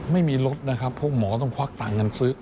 ไม่มีรถนะครับเพราะหมอต้องควักตังค์กันซื้อ